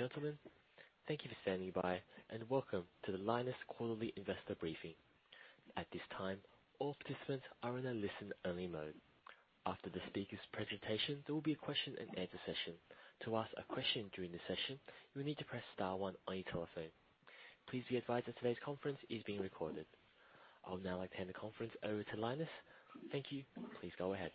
Ladies and gentlemen, thank you for standing by and welcome to the Lynas Quarterly Investor Briefing. At this time, all participants are in a listen-only mode. After the speaker's presentation, there will be a question-and-answer session. To ask a question during the session, you will need to press star one on your telephone. Please be advised that today's conference is being recorded. I would now like to hand the conference over to Lynas. Thank you. Please go ahead.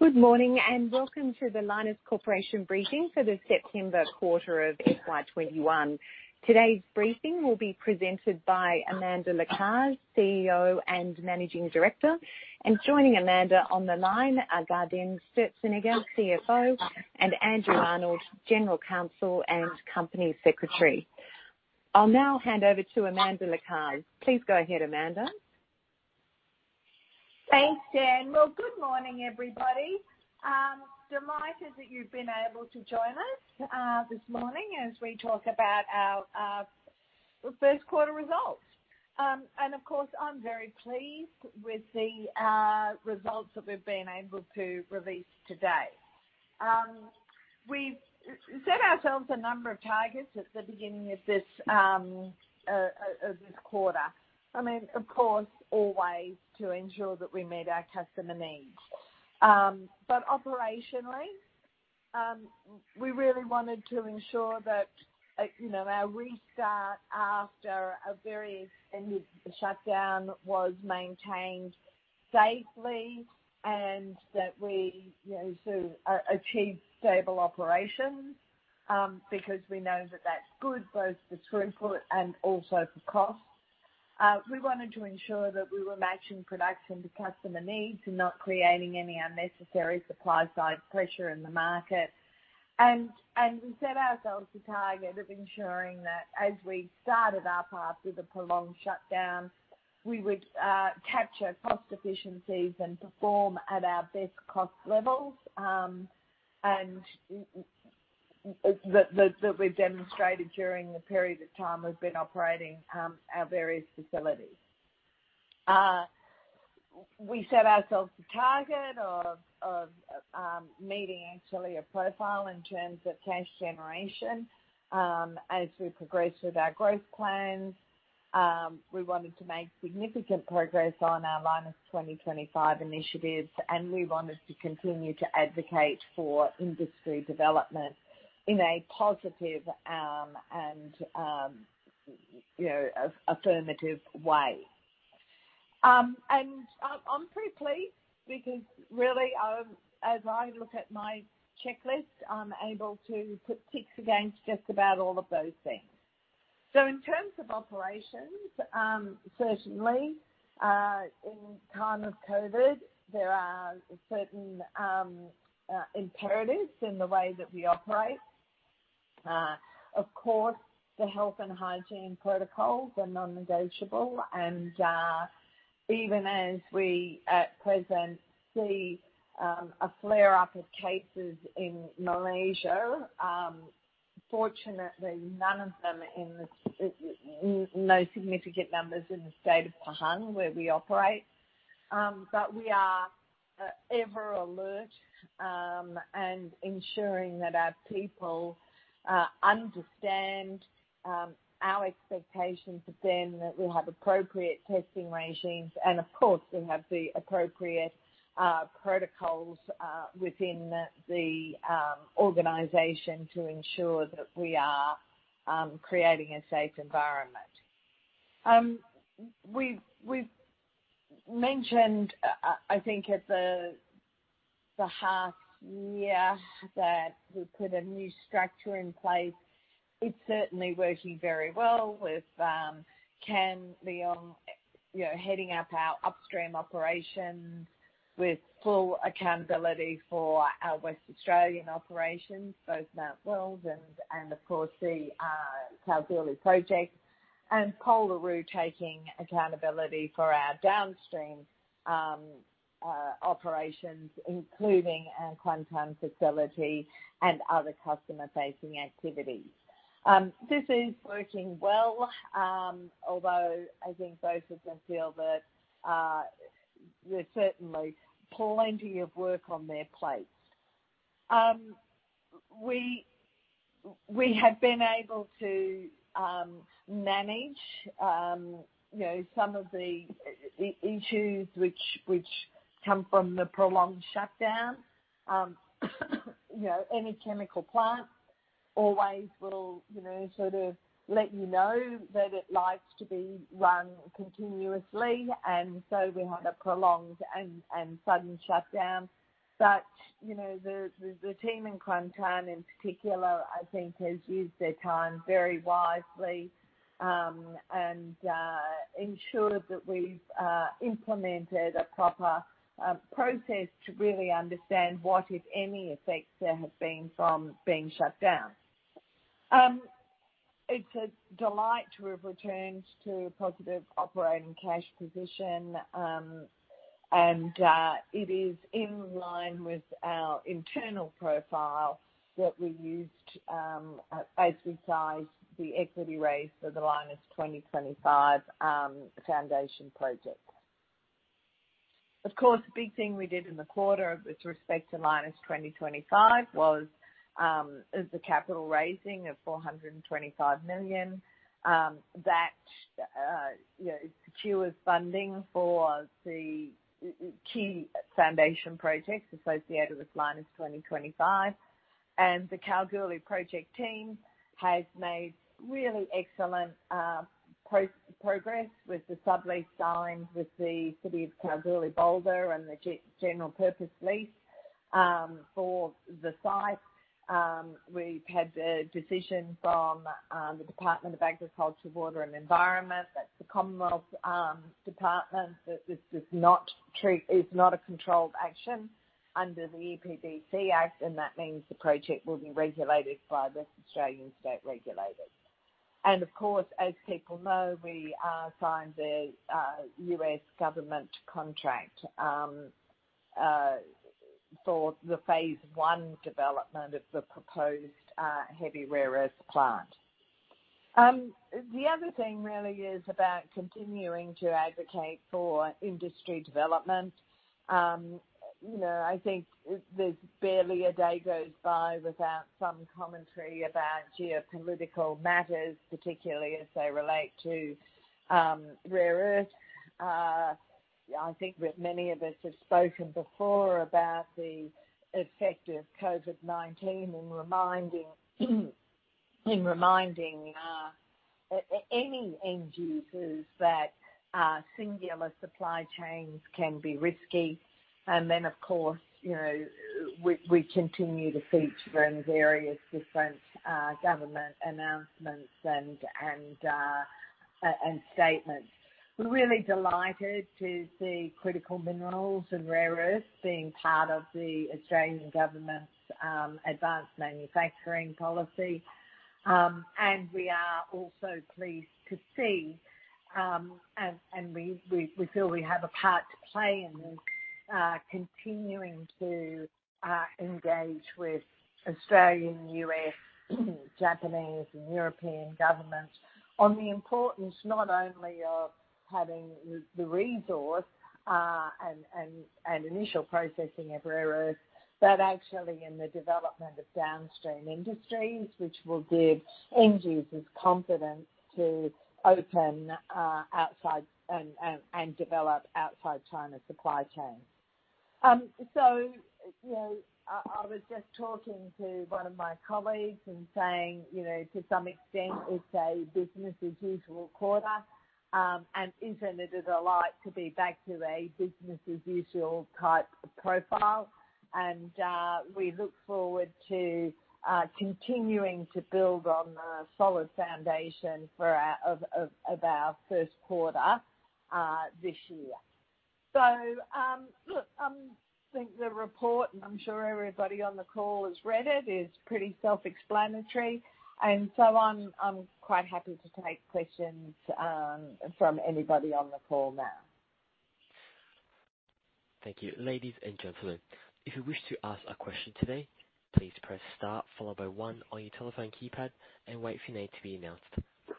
Good morning and welcome to the Lynas Corporation Briefing for the September quarter of FY21. Today's briefing will be presented by Amanda Lacaze, CEO and Managing Director, and joining Amanda on the line are Gaudenz Sturzenegger, CFO, and Andrew Arnold, General Counsel and Company Secretary. I'll now hand over to Amanda Lacaze. Please go ahead, Amanda. Thanks, Jen. Well, good morning, everybody. I'm delighted that you've been able to join us this morning as we talk about our first quarter results. And of course, I'm very pleased with the results that we've been able to release today. We've set ourselves a number of targets at the beginning of this quarter. I mean, of course, always to ensure that we meet our customer needs. But operationally, we really wanted to ensure that, you know, our restart after a very extended shutdown was maintained safely and that we, you know, sort of, achieved stable operations, because we know that that's good both for throughput and also for cost. We wanted to ensure that we were matching production to customer needs and not creating any unnecessary supply-side pressure in the market. And we set ourselves a target of ensuring that as we started up after the prolonged shutdown, we would capture cost efficiencies and perform at our best cost levels, and that we've demonstrated during the period of time we've been operating our various facilities. We set ourselves a target of meeting actually a profile in terms of cash generation, as we progress with our growth plans. We wanted to make significant progress on our Lynas 2025 initiatives, and we wanted to continue to advocate for industry development in a positive, you know, affirmative way. And I'm pretty pleased because really, as I look at my checklist, I'm able to put ticks against just about all of those things. So in terms of operations, certainly, in time of COVID, there are certain imperatives in the way that we operate. Of course, the health and hygiene protocols are non-negotiable, and even as we at present see a flare-up of cases in Malaysia, fortunately none of them in the no significant numbers in the state of Pahang where we operate. But we are ever alert, and ensuring that our people understand our expectations again, that we have appropriate testing regimes, and of course we have the appropriate protocols within the organization to ensure that we are creating a safe environment. We've mentioned, I think at the half-year, that we put a new structure in place. It's certainly working very well with Kam Leung, you know, heading up our upstream operations with full accountability for our Western Australian operations, both Mt Weld and of course the Kalgoorlie project, and Pol Le Roux taking accountability for our downstream operations, including our Kuantan facility and other customer-facing activities. This is working well, although I think both of them feel that there's certainly plenty of work on their plates. We have been able to manage, you know, some of the issues which come from the prolonged shutdown. You know, any chemical plant always will, you know, sort of let you know that it likes to be run continuously, and so we had a prolonged and sudden shutdown. But you know, the team in Kuantan in particular, I think, has used their time very wisely, and ensured that we've implemented a proper process to really understand what, if any, effects there have been from being shut down. It's a delight to have returned to a positive operating cash position, and it is in line with our internal profile that we used as we sized the equity raise for the Lynas 2025 foundation project. Of course, the big thing we did in the quarter with respect to Lynas 2025 was the capital raising of 425 million that you know secures funding for the key foundation projects associated with Lynas 2025. The Kalgoorlie project team has made really excellent progress with the sublease signed with the City of Kalgoorlie-Boulder and the general purpose lease for the site. We've had the decision from the Department of Agriculture, Water and the Environment. That's the Commonwealth Department that this is not a controlled action under the EPBC Act, and that means the project will be regulated by Western Australian state regulators. Of course, as people know, we have signed a U.S. government contract for the phase one development of the proposed heavy rare earth plant. The other thing really is about continuing to advocate for industry development. You know, I think there's barely a day goes by without some commentary about geopolitical matters, particularly as they relate to rare earths. I think that many of us have spoken before about the effect of COVID-19 and reminding, and reminding, any end users that singular supply chains can be risky. And then, of course, you know, we, we continue to feature in various different government announcements and, and, and statements. We're really delighted to see critical minerals and rare earths being part of the Australian government's advanced manufacturing policy. And we are also pleased to see, and we feel we have a part to play in this, continuing to engage with Australian, U.S., Japanese, and European governments on the importance not only of having the resource and initial processing of rare earth, but actually in the development of downstream industries, which will give end users confidence to open outside and develop outside China supply chains. So, you know, I was just talking to one of my colleagues and saying, you know, to some extent, it's a business-as-usual quarter, and isn't it a delight to be back to a business-as-usual type profile. We look forward to continuing to build on the solid foundation for our first quarter this year. So, look, I think the report, and I'm sure everybody on the call has read it, is pretty self-explanatory, and so I'm quite happy to take questions from anybody on the call now. Thank you. Ladies and gentlemen, if you wish to ask a question today, please press star followed by one on your telephone keypad and wait for your name to be announced.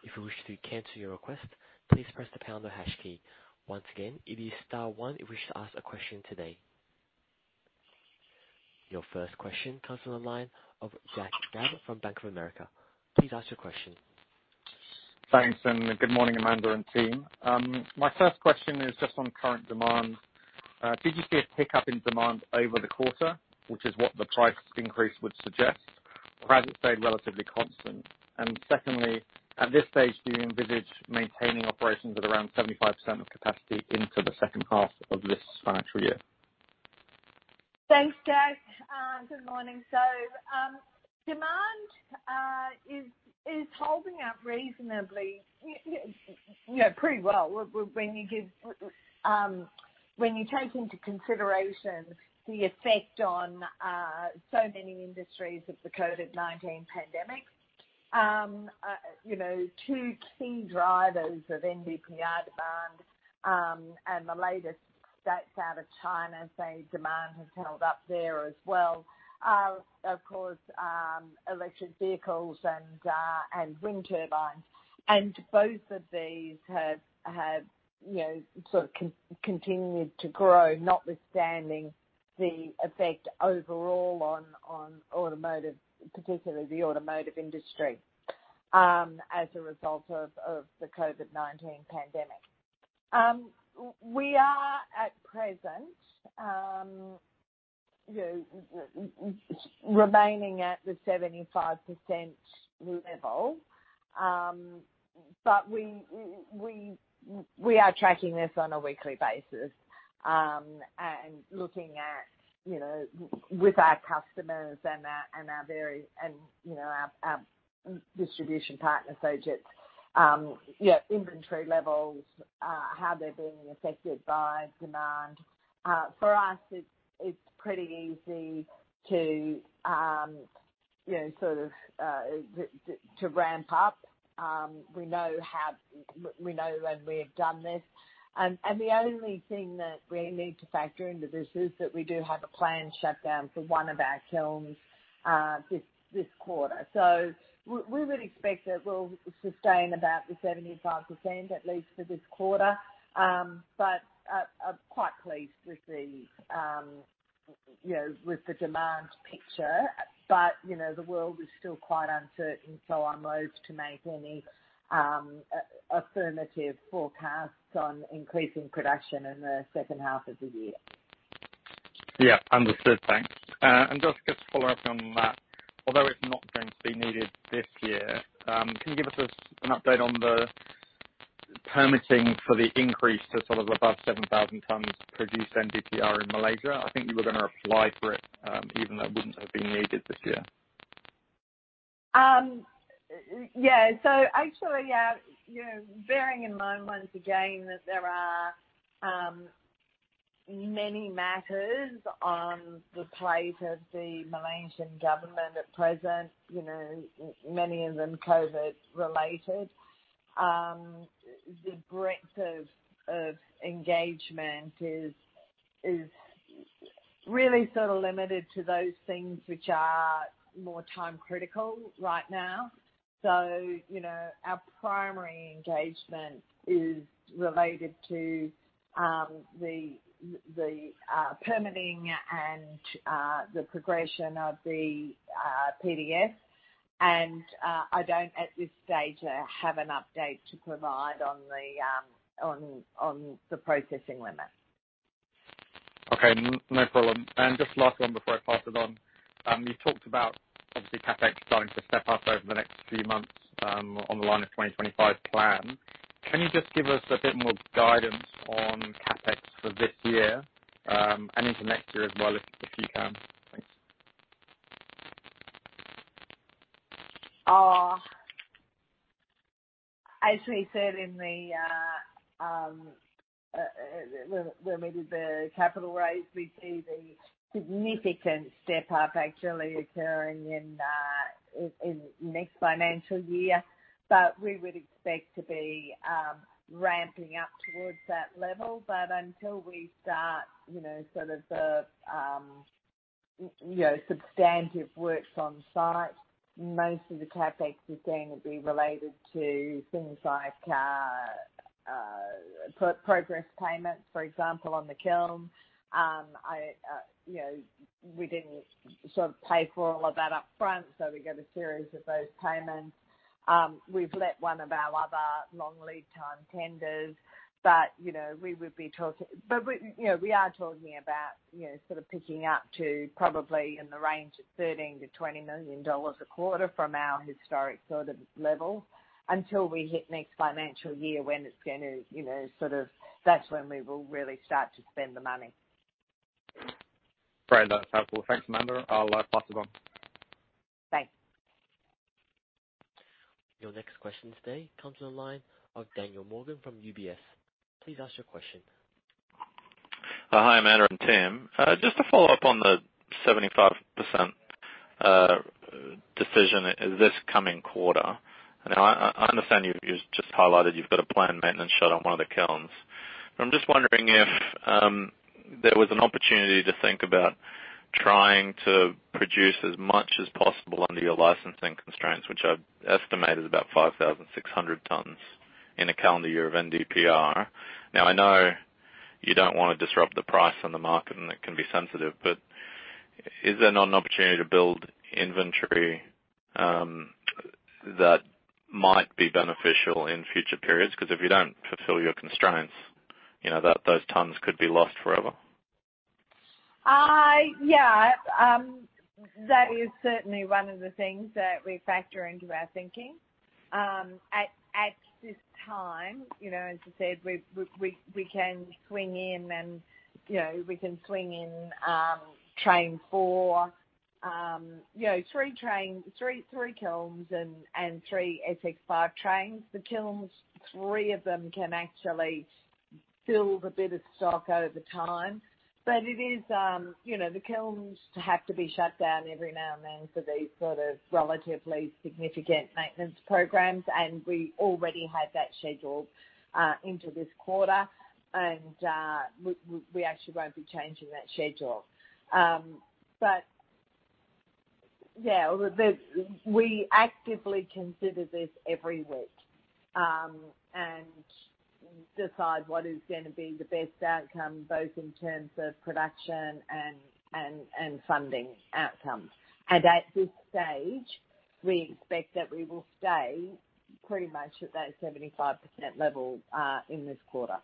If you wish to cancel your request, please press the pound or hash key. Once again, it is star one if you wish to ask a question today. Your first question comes from the line of Jack Gabb from Bank of America. Please ask your question. Thanks, and good morning, Amanda and team. My first question is just on current demand. Did you see a pickup in demand over the quarter, which is what the price increase would suggest, or has it stayed relatively constant? And secondly, at this stage, do you envisage maintaining operations at around 75% of capacity into the second half of this financial year? Thanks, Jack. Good morning. So, demand is holding up reasonably, you know, pretty well when you give, when you take into consideration the effect on so many industries of the COVID-19 pandemic. You know, two key drivers of NdPr demand, and the latest stats out of China say demand has held up there as well, are, of course, electric vehicles and wind turbines. And both of these have, you know, sort of continued to grow, notwithstanding the effect overall on automotive, particularly the automotive industry, as a result of the COVID-19 pandemic. We are at present, you know, remaining at the 75% level, but we are tracking this on a weekly basis, and looking at, you know, with our customers and our inventory and our distribution partner projects, you know, inventory levels, how they're being affected by demand. For us, it's pretty easy to, you know, sort of, to ramp up. We know how we know when we have done this. And the only thing that we need to factor into this is that we do have a planned shutdown for one of our kilns, this quarter. So we would expect that we'll sustain about the 75% at least for this quarter, but quite pleased with the, you know, with the demand picture. But, you know, the world is still quite uncertain, so I'm loath to make any affirmative forecasts on increasing production in the second half of the year. Yeah, understood. Thanks. Just to follow up on that, although it's not going to be needed this year, can you give us an update on the permitting for the increase to sort of above 7,000 tonnes produced NdPr in Malaysia? I think you were going to apply for it, even though it wouldn't have been needed this year. Yeah. So actually, you know, bearing in mind once again that there are many matters on the plate of the Malaysian government at present, you know, many of them COVID-related, the breadth of engagement is really sort of limited to those things which are more time-critical right now. So, you know, our primary engagement is related to the permitting and the progression of the PDF, and I don't at this stage have an update to provide on the processing limit. Okay. No problem. Just last one before I pass it on. You talked about, obviously, CapEx starting to step up over the next few months, on the Lynas 2025 plan. Can you just give us a bit more guidance on CapEx for this year, and into next year as well, if you can? Thanks. As we said, where we did the capital raise, we see the significant step-up actually occurring in next financial year. But we would expect to be ramping up towards that level. But until we start, you know, sort of the you know substantive work on site, most of the CapEx is going to be related to things like progress payments, for example, on the kiln. You know, we didn't sort of pay for all of that upfront, so we got a series of those payments. We've let one of our other long lead-time tenders, but, you know, we would be talking but we, you know, we are talking about, you know, sort of picking up to probably in the range of 13 million-20 million dollars a quarter from our historic sort of level until we hit next financial year when it's going to, you know, sort of that's when we will really start to spend the money. Great. That's helpful. Thanks, Amanda. I'll pass it on. Thanks. Your next question today comes on the line of Daniel Morgan from UBS. Please ask your question. Hi, Amanda and team. Just to follow up on the 75% decision this coming quarter. Now, I understand you've just highlighted you've got a planned maintenance shut on one of the kilns. I'm just wondering if there was an opportunity to think about trying to produce as much as possible under your licensing constraints, which I've estimated about 5,600 tons in a calendar year of NdPr. Now, I know you don't want to disrupt the price on the market, and it can be sensitive, but is there not an opportunity to build inventory that might be beneficial in future periods? Because if you don't fulfill your constraints, you know, those tons could be lost forever. Yeah. That is certainly one of the things that we factor into our thinking. At this time, you know, as I said, we can swing in and, you know, we can swing in Train 4, you know, 3 trains, 3 kilns and 3 SX5 trains. The kilns, 3 of them can actually build a bit of stock over time. But it is, you know, the kilns have to be shut down every now and then for these sort of relatively significant maintenance programs, and we already had that scheduled into this quarter. And we actually won't be changing that schedule. But yeah, although we actively consider this every week, and decide what is going to be the best outcome, both in terms of production and funding outcomes. At this stage, we expect that we will stay pretty much at that 75% level, in this quarter.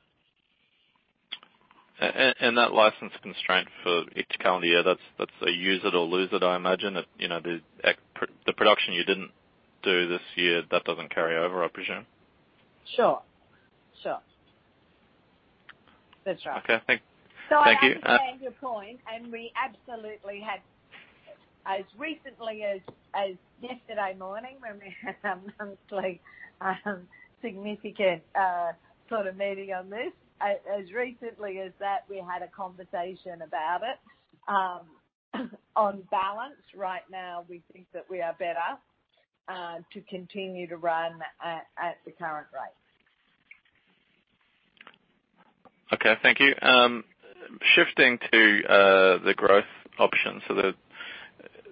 And that license constraint for each calendar year, that's a use it or lose it, I imagine. It, you know, the actual production you didn't do this year, that doesn't carry over, I presume? Sure. Sure. That's right. Okay. Thank you. So I understand your point, and we absolutely have, as recently as yesterday morning, when we had our monthly significant sort of meeting on this, as recently as that, we had a conversation about it. On balance, right now, we think that we are better to continue to run at the current rate. Okay. Thank you. Shifting to the growth option, so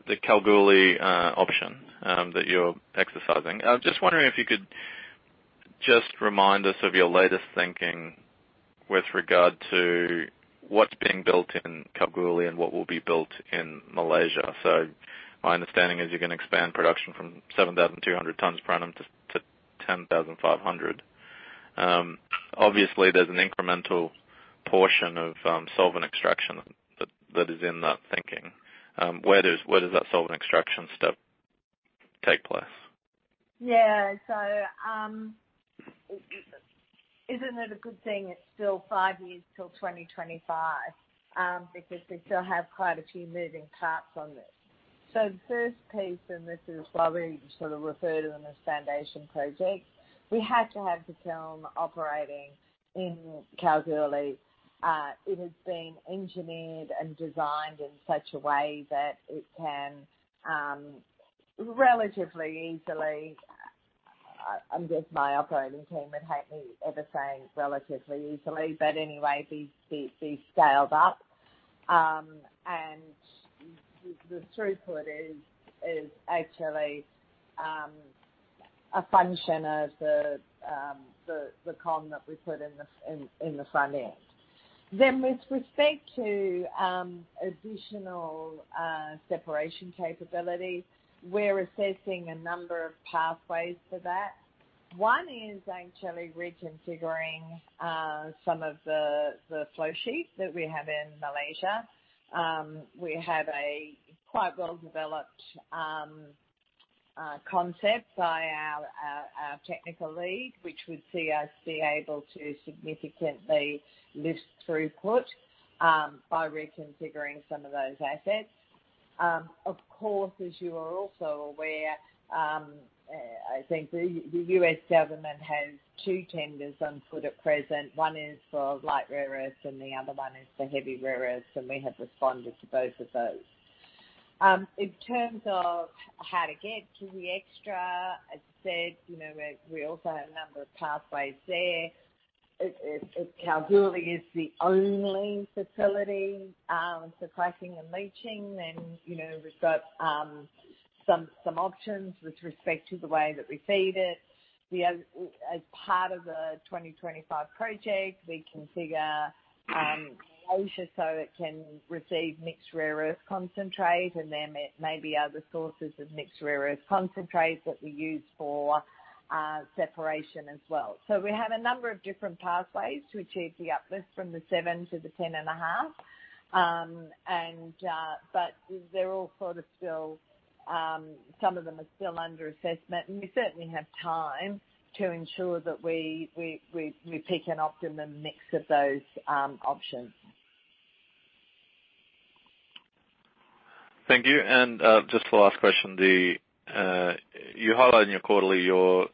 the Kalgoorlie option that you're exercising, I'm just wondering if you could just remind us of your latest thinking with regard to what's being built in Kalgoorlie and what will be built in Malaysia. So my understanding is you're going to expand production from 7,200 tons per annum to 10,500. Obviously, there's an incremental portion of solvent extraction that is in that thinking. Where does that solvent extraction step take place? Yeah. So, isn't it a good thing it's still five years till 2025, because we still have quite a few moving parts on this? So the first piece, and this is why we sort of refer to them as foundation projects, we have to have the kiln operating in Kalgoorlie. It has been engineered and designed in such a way that it can, relatively easily—I'm guessing my operating team would hate me ever saying relatively easily, but anyway, be scaled up. And the throughput is actually a function of the con that we put in the front end. Then with respect to additional separation capability, we're assessing a number of pathways for that. One is actually reconfiguring some of the flowsheets that we have in Malaysia. We have a quite well-developed concept by our technical lead, which would see us be able to significantly lift throughput by reconfiguring some of those assets. Of course, as you are also aware, I think the U.S. government has two tenders on foot at present. One is for light rare earths, and the other one is for heavy rare earths, and we have responded to both of those. In terms of how to get to the extra, as I said, you know, we also have a number of pathways there. If Kalgoorlie is the only facility for cracking and leaching, then, you know, we've got some options with respect to the way that we feed it. As part of the 2025 project, we configure Malaysia so it can receive mixed rare earths concentrate and then maybe other sources of mixed rare earths concentrate that we use for separation as well. So we have a number of different pathways to achieve the uplift from the 7 to the 10.5. But they're all sort of still, some of them are still under assessment, and we certainly have time to ensure that we pick an optimum mix of those options. Thank you. Just the last question, you highlight in your quarterly your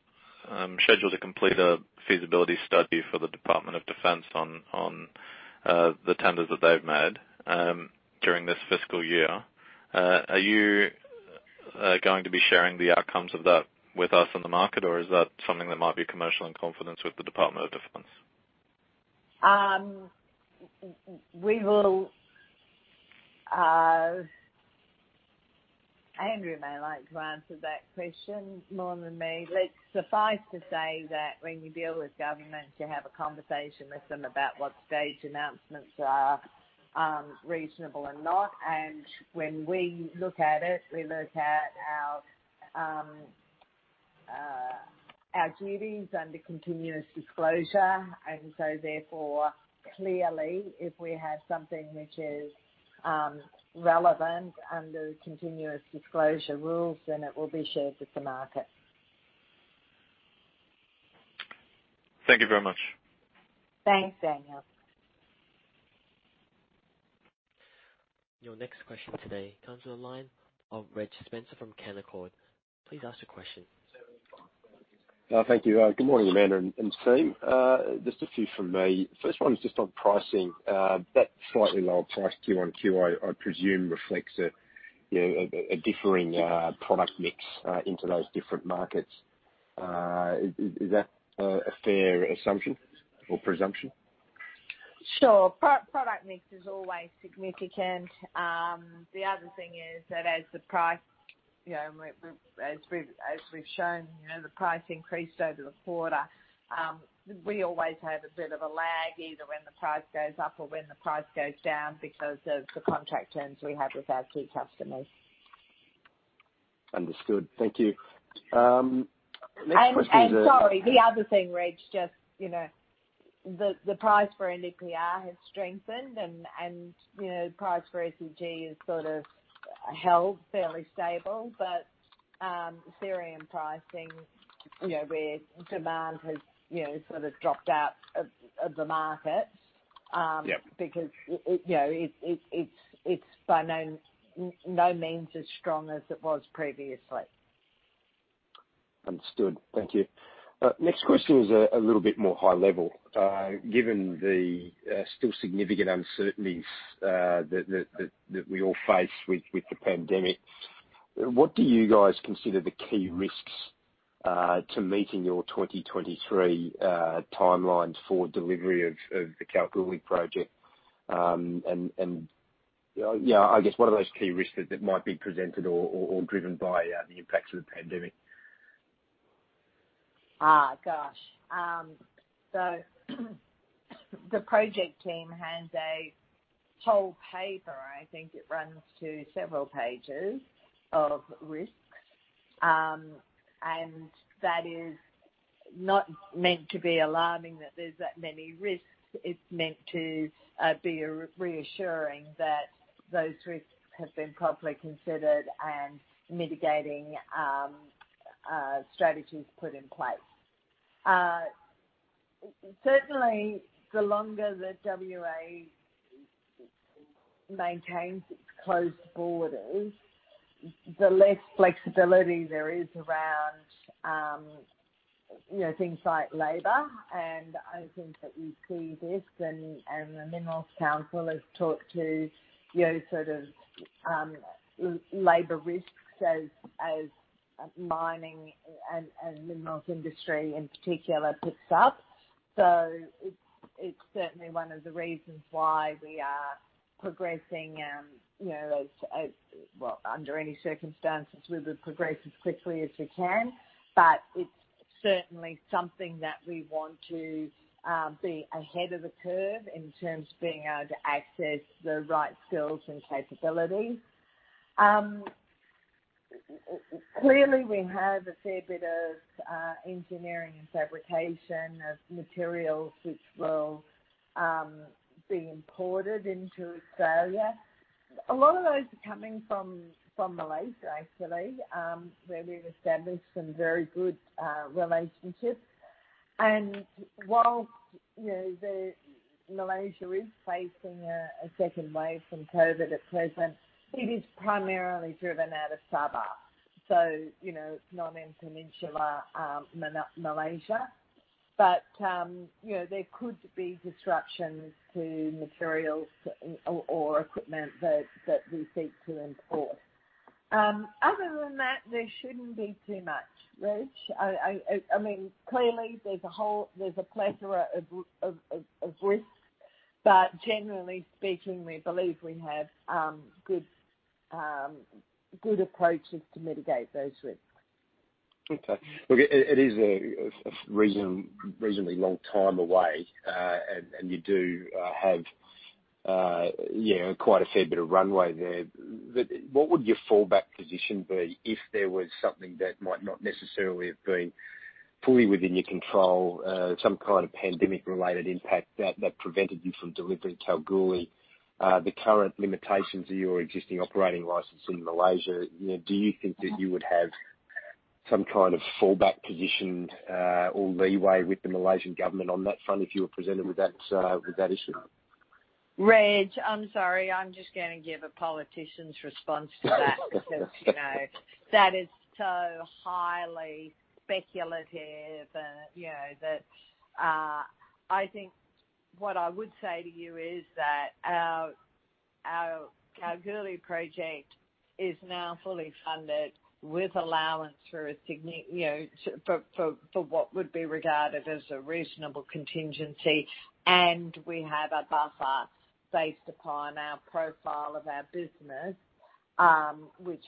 schedule to complete a feasibility study for the Department of Defense on the tenders that they've made during this fiscal year. Are you going to be sharing the outcomes of that with us and the market, or is that something that might be a commercial in confidence with the Department of Defense? We will, Andrew may like to answer that question more than me. Let's suffice to say that when you deal with governments, you have a conversation with them about what stage announcements are, reasonable or not. When we look at it, we look at our duties under continuous disclosure. So therefore, clearly, if we have something which is relevant under continuous disclosure rules, then it will be shared with the market. Thank you very much. Thanks, Daniel. Your next question today comes on the line of Reg Spencer from Canaccord. Please ask your question. Thank you. Good morning, Amanda and team. Just a few from me. First one is just on pricing. That slightly lower price Q1, Q2, I presume, reflects a, you know, a differing product mix into those different markets. Is that a fair assumption or presumption? Sure. Our product mix is always significant. The other thing is that as the price, you know, we as we've shown, you know, the price increased over the quarter, we always have a bit of a lag either when the price goes up or when the price goes down because of the contract terms we have with our key customers. Understood. Thank you. Next question is a. Sorry, the other thing, Reg, just, you know, the price for NdPr has strengthened, and, you know, the price for SEG has sort of held fairly stable. But, cerium pricing, you know, where demand has, you know, sort of dropped out of the market, Yep. Because, you know, it's by no means as strong as it was previously. Understood. Thank you. Next question is a little bit more high level. Given the still significant uncertainties that we all face with the pandemic, what do you guys consider the key risks to meeting your 2023 timeline for delivery of the Kalgoorlie project? And you know, I guess what are those key risks that might be presented or driven by the impacts of the pandemic? Gosh. So the project team has a whole paper, I think it runs to several pages, of risks. And that is not meant to be alarming that there's that many risks. It's meant to be a reassuring that those risks have been properly considered and mitigating strategies put in place. Certainly, the longer the WA maintains its closed borders, the less flexibility there is around, you know, things like labor. And I think that we see this, and the Minerals Council has talked to, you know, sort of, labor risks as mining and minerals industry in particular picks up. So it's certainly one of the reasons why we are progressing, you know, as well. Under any circumstances, we would progress as quickly as we can. But it's certainly something that we want to be ahead of the curve in terms of being able to access the right skills and capabilities. Clearly, we have a fair bit of engineering and fabrication of materials which will be imported into Australia. A lot of those are coming from Malaysia, actually, where we've established some very good relationships. And while, you know, Malaysia is facing a second wave from COVID at present, it is primarily driven out of Sabah, so, you know, non-peninsular Malaysia. But, you know, there could be disruptions to materials or equipment that we seek to import. Other than that, there shouldn't be too much, Reg. I mean, clearly, there's a plethora of risks. But generally speaking, we believe we have good approaches to mitigate those risks. Okay. Look, it is a reasonably long time away, and you do have, you know, quite a fair bit of runway there. But what would your fallback position be if there was something that might not necessarily have been fully within your control, some kind of pandemic-related impact that prevented you from delivering Kalgoorlie, the current limitations of your existing operating license in Malaysia? You know, do you think that you would have some kind of fallback position, or leeway with the Malaysian government on that front if you were presented with that issue? Reg, I'm sorry. I'm just going to give a politician's response to that because, you know, that is so highly speculative, you know, that, I think what I would say to you is that our Kalgoorlie project is now fully funded with allowance for a significant, you know, for what would be regarded as a reasonable contingency. And we have a buffer based upon our profile of our business, which,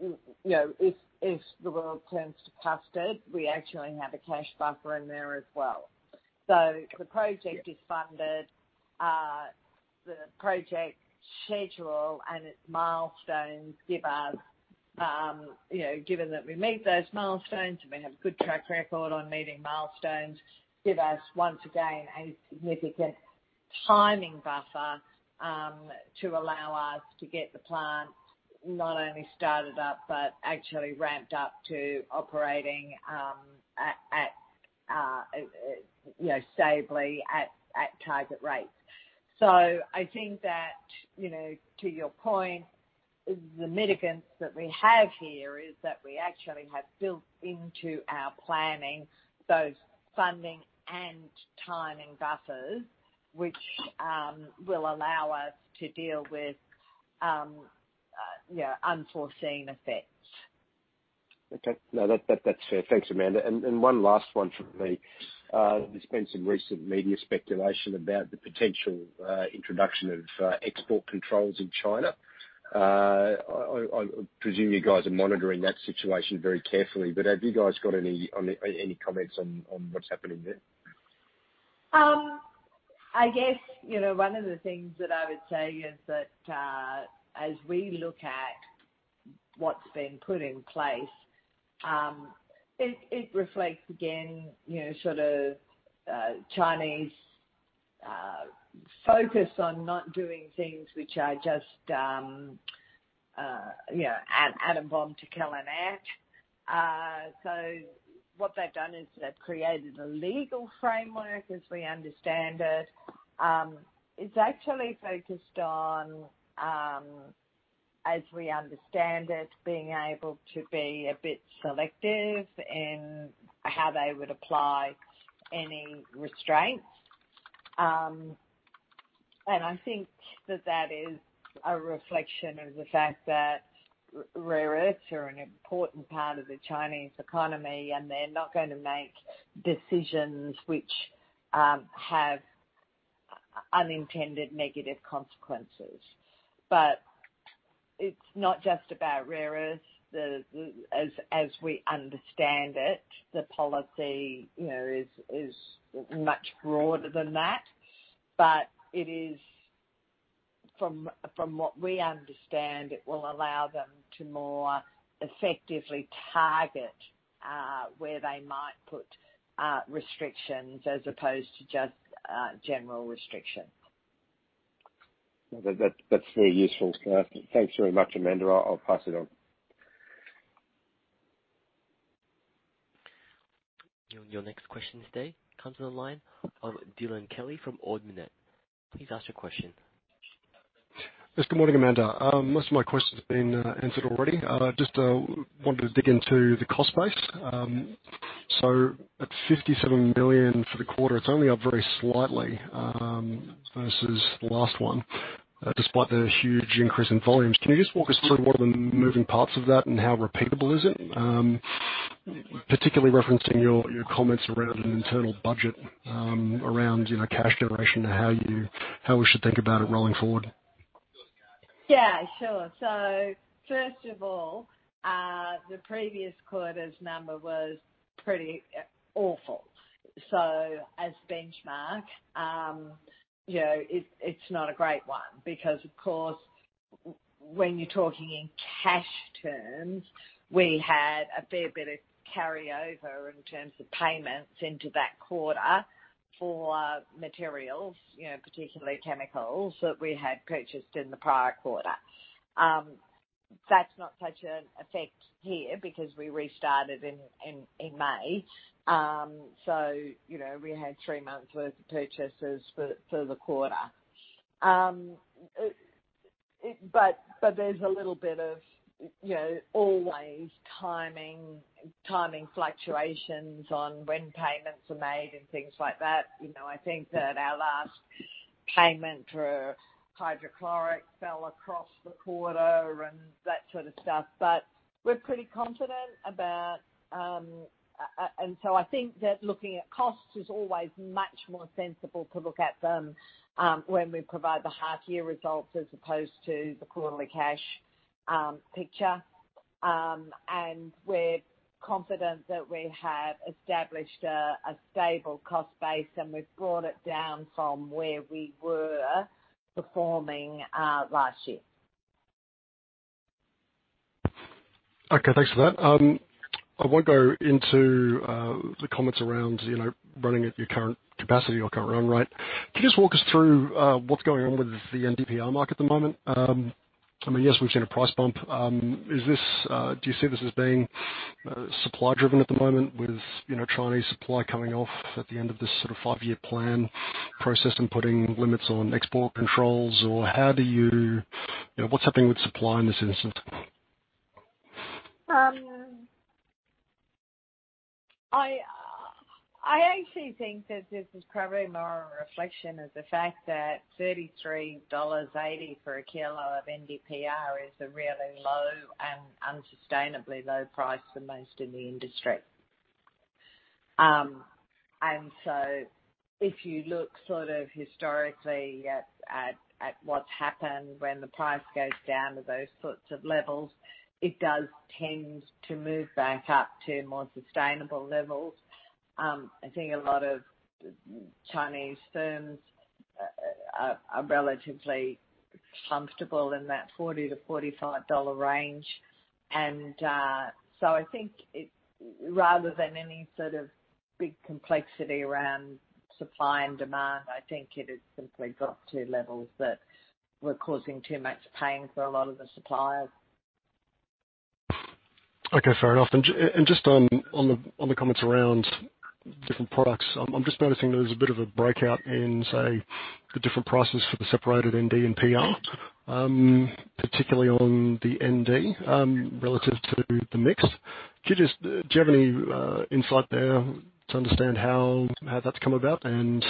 you know, if the world turns to custard, we actually have a cash buffer in there as well. So the project is funded. The project schedule and its milestones give us, you know, given that we meet those milestones and we have a good track record on meeting milestones, give us, once again, a significant timing buffer to allow us to get the plant not only started up but actually ramped up to operating, at, at, you know, stably at, at target rates. So I think that, you know, to your point, the mitigants that we have here is that we actually have built into our planning both funding and timing buffers, which will allow us to deal with, you know, unforeseen effects. Okay. No, that's fair. Thanks, Amanda. And one last one from me. There's been some recent media speculation about the potential introduction of export controls in China. I presume you guys are monitoring that situation very carefully. But have you guys got any comments on what's happening there? I guess, you know, one of the things that I would say is that, as we look at what's been put in place, it reflects, again, you know, sort of, China's focus on not doing things which are just, you know, add an atom bomb to kill an ant. So what they've done is they've created a legal framework as we understand it. It's actually focused on, as we understand it, being able to be a bit selective in how they would apply any restraints. And I think that that is a reflection of the fact that rare earths are an important part of the Chinese economy, and they're not going to make decisions which have unintended negative consequences. But it's not just about rare earths. The, as we understand it, the policy, you know, is much broader than that. But it is, from what we understand, it will allow them to more effectively target where they might put restrictions as opposed to just general restrictions. Well, that's very useful for us. Thanks very much, Amanda. I'll pass it on. Your next question today comes on the line of Dylan Kelly from Ord Minnett. Please ask your question. Yes, good morning, Amanda. Most of my questions have been answered already. Just wanted to dig into the cost base. So at 57 million for the quarter, it's only up very slightly versus the last one, despite the huge increase in volumes. Can you just walk us through what are the moving parts of that and how repeatable is it? Particularly referencing your comments around an internal budget, around, you know, cash generation and how we should think about it rolling forward. Yeah, sure. So first of all, the previous quarter's number was pretty awful. So as benchmark, you know, it, it's not a great one because, of course, when you're talking in cash terms, we had a fair bit of carryover in terms of payments into that quarter for materials, you know, particularly chemicals that we had purchased in the prior quarter. That's not such an effect here because we restarted in May. So, you know, we had three months' worth of purchases for the quarter. But there's a little bit of, you know, always timing fluctuations on when payments are made and things like that. You know, I think that our last payment for hydrochloric fell across the quarter and that sort of stuff. But we're pretty confident about, and so I think that looking at costs is always much more sensible to look at them, when we provide the half-year results as opposed to the quarterly cash picture. We're confident that we have established a stable cost base, and we've brought it down from where we were performing last year. Okay. Thanks for that. I won't go into the comments around, you know, running at your current capacity or current run rate. Can you just walk us through what's going on with the NdPr market at the moment? I mean, yes, we've seen a price bump. Is this, do you see this as being supply-driven at the moment with, you know, Chinese supply coming off at the end of this sort of five-year plan process and putting limits on export controls, or how do you know what's happening with supply in this instance? I actually think that this is probably more a reflection of the fact that 33.80 dollars for a kilo of NdPr is a really low and unsustainably low price for most in the industry. So if you look sort of historically at what's happened when the price goes down to those sorts of levels, it does tend to move back up to more sustainable levels. I think a lot of Chinese firms are relatively comfortable in that 40-45 dollar range. So I think it rather than any sort of big complexity around supply and demand, I think it has simply got to levels that are causing too much pain for a lot of the suppliers. Okay. Fair enough. And just on the comments around different products, I'm just noticing there's a bit of a breakout in, say, the different prices for the separated Nd and Pr, particularly on the Nd, relative to the mix. Could you just do you have any insight there to understand how that's come about and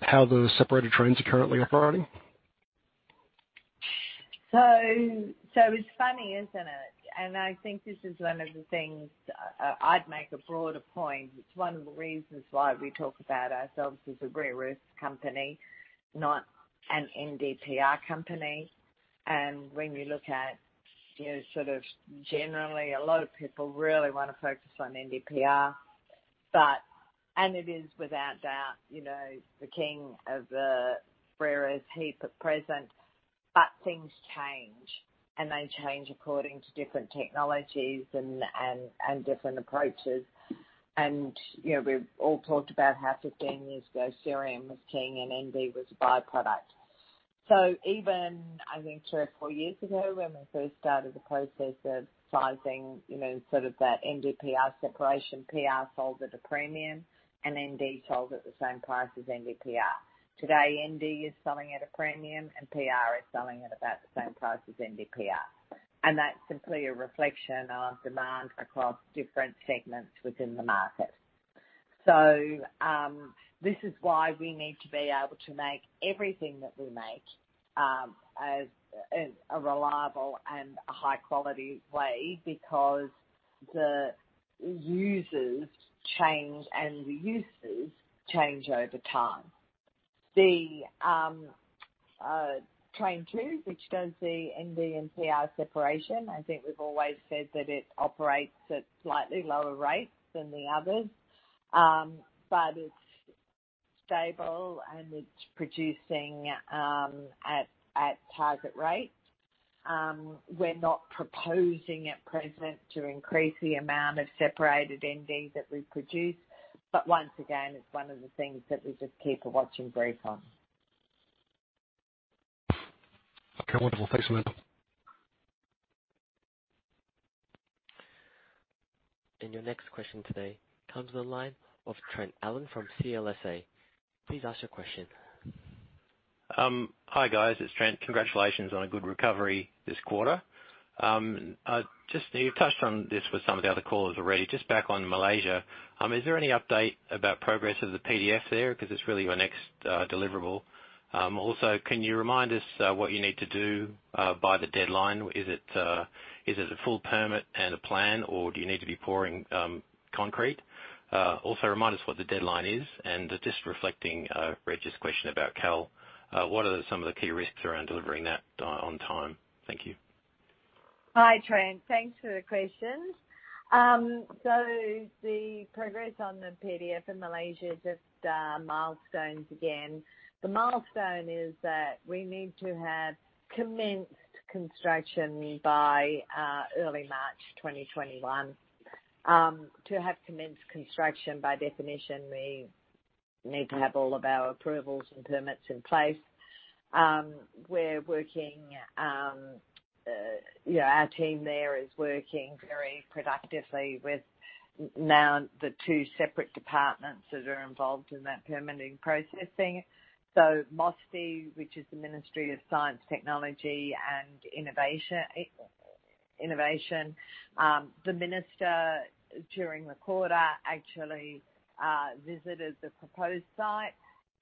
how the separated trains are currently operating? So, so it's funny, isn't it? And I think this is one of the things I'd make a broader point. It's one of the reasons why we talk about ourselves as a rare earths company, not an NdPr company. And when you look at, you know, sort of generally, a lot of people really want to focus on NdPr. But it is, without doubt, you know, the king of the rare earths here at present. But things change, and they change according to different technologies and, and different approaches. And, you know, we've all talked about how 15 years ago, cerium was king and Nd was a byproduct. So even, I think, three or four years ago when we first started the process of sizing, you know, sort of that NdPr separation, Pr sold at a premium and Nd sold at the same price as NdPr. Today, Nd is selling at a premium and Pr is selling at about the same price as NdPr. That's simply a reflection of demand across different segments within the market. This is why we need to be able to make everything that we make as a reliable and a high-quality way because the users change and the uses change over time. The Train 2, which does the Nd and Pr separation, I think we've always said that it operates at slightly lower rates than the others, but it's stable and it's producing at target rates. We're not proposing at present to increase the amount of separated Nd that we produce. But once again, it's one of the things that we just keep a watch and brief on. Okay. Wonderful. Thanks, Amanda. Your next question today comes on the line of Trent Allen from CLSA. Please ask your question. Hi, guys. It's Trent. Congratulations on a good recovery this quarter. Just you touched on this with some of the other callers already. Just back on Malaysia, is there any update about progress of the PDF there? Because it's really your next deliverable. Also, can you remind us what you need to do by the deadline? Is it, is it a full permit and a plan, or do you need to be pouring concrete? Also remind us what the deadline is. Just reflecting Reg's question about Kalgoorlie, what are some of the key risks around delivering that on time? Thank you. Hi, Trent. Thanks for the questions. So the progress on the PDF in Malaysia is just milestones again. The milestone is that we need to have commenced construction by early March 2021. To have commenced construction, by definition, we need to have all of our approvals and permits in place. We're working, you know, our team there is working very productively with now the two separate departments that are involved in that permitting processing. So MOSTI, which is the Ministry of Science, Technology and Innovation, the minister during the quarter actually visited the proposed site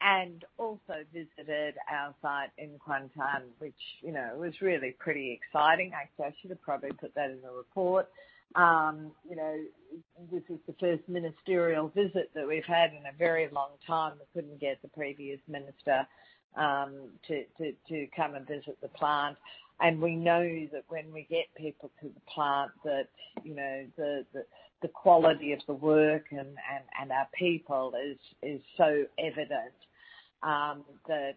and also visited our site in Kuantan, which, you know, was really pretty exciting. I actually should have probably put that in the report. You know, this is the first ministerial visit that we've had in a very long time. We couldn't get the previous minister to come and visit the plant. And we know that when we get people to the plant that, you know, the quality of the work and our people is so evident, that,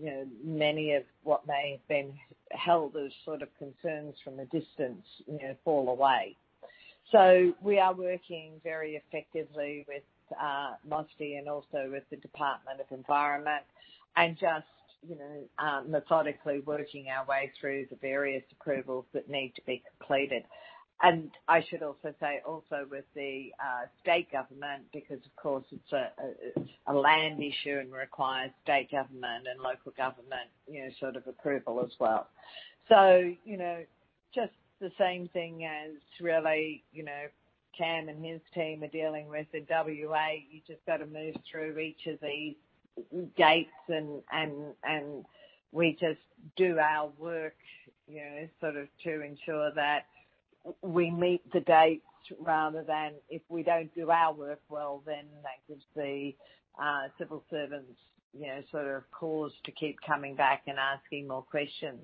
you know, many of what may have been held as sort of concerns from a distance, you know, fall away. So we are working very effectively with MOSTI and also with the Department of Environment and just, you know, methodically working our way through the various approvals that need to be completed. And I should also say also with the state government because, of course, it's a land issue and requires state government and local government, you know, sort of approval as well. So, you know, just the same thing as really, you know, Kam and his team are dealing with at WA, you just got to move through each of these dates and we just do our work, you know, sort of to ensure that we meet the dates rather than if we don't do our work well, then that gives the civil servants, you know, sort of cause to keep coming back and asking more questions.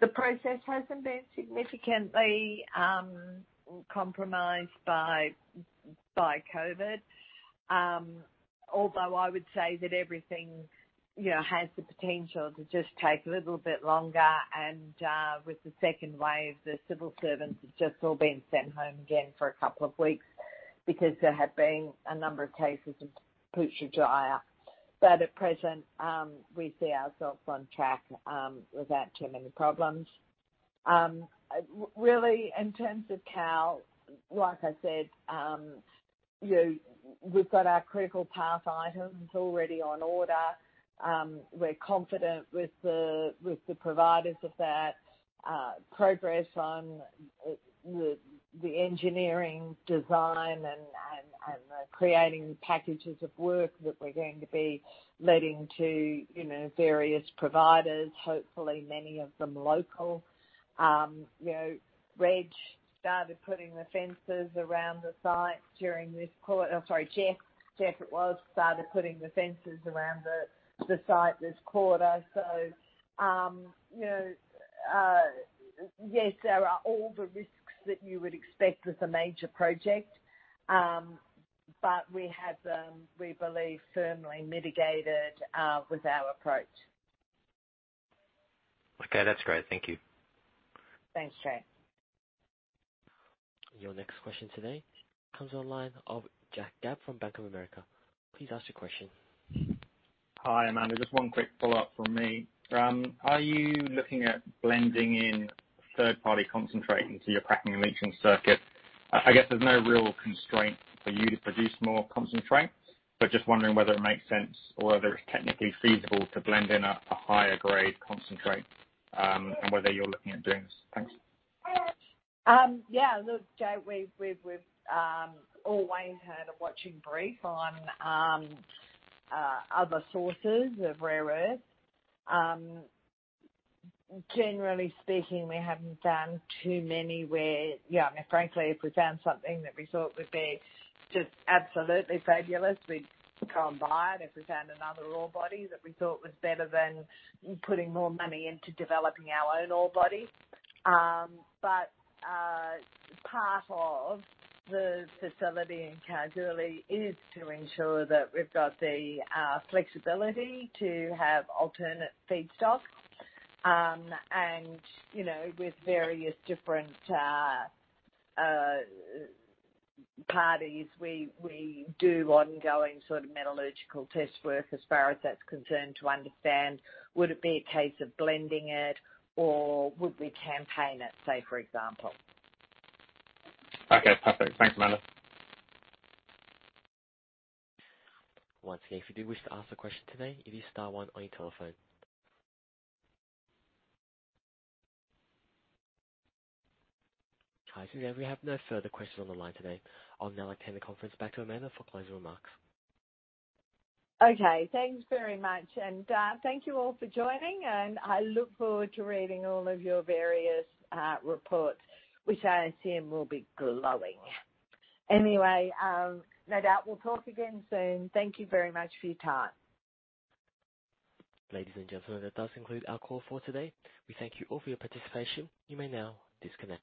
The process hasn't been significantly compromised by COVID. Although I would say that everything, you know, has the potential to just take a little bit longer. And with the second wave, the civil servants have just all been sent home again for a couple of weeks because there have been a number of cases of Putrajaya. But at present, we see ourselves on track, without too many problems. Really, in terms of Cal, like I said, you know, we've got our critical path items already on order. We're confident with the providers of that. Progress on the engineering design and the creating packages of work that we're going to be letting to, you know, various providers, hopefully many of them local. You know, Reg started putting the fences around the site during this quarter. Sorry, Jeff, it was, started putting the fences around the site this quarter. So, you know, yes, there are all the risks that you would expect with a major project. But we have, we believe, firmly mitigated, with our approach. Okay. That's great. Thank you. Thanks, Trent. Your next question today comes on the line of Jack Gabb from Bank of America. Please ask your question. Hi, Amanda. Just one quick follow-up from me. Are you looking at blending in third-party concentrate into your cracking and leaching circuit? I guess there's no real constraint for you to produce more concentrate, but just wondering whether it makes sense or whether it's technically feasible to blend in a higher-grade concentrate, and whether you're looking at doing this. Thanks. Yeah. Look, Jay, we've always had a watching brief on other sources of rare earths. Generally speaking, we haven't found too many where, you know, I mean, frankly, if we found something that we thought would be just absolutely fabulous, we'd go and buy it. If we found another ore body that we thought was better than putting more money into developing our own ore body. But part of the facility in Kalgoorlie is to ensure that we've got the flexibility to have alternate feedstock. And, you know, with various different parties, we do ongoing sort of metallurgical test work as far as that's concerned to understand, would it be a case of blending it or would we campaign it, say, for example? Okay. Perfect. Thanks, Amanda. Once again, if you do wish to ask a question today, you can just dial one on your telephone. Okay. So yeah, we have no further questions on the line today. I'll now like to hand the conference back to Amanda for closing remarks. Okay. Thanks very much. And thank you all for joining. And I look forward to reading all of your various reports, which I assume will be glowing. Anyway, no doubt we'll talk again soon. Thank you very much for your time. Ladies and gentlemen, that does conclude our call for today. We thank you all for your participation. You may now disconnect.